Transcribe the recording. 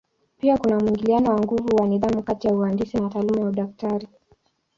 Pia kuna mwingiliano wa nguvu wa nidhamu kati ya uhandisi na taaluma ya udaktari.